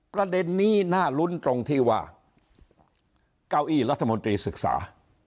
ประเด็นนี้น่ารุ้นตรงที่ว่าเก้าอี้รัฐมนตรีศึกษา